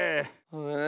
え。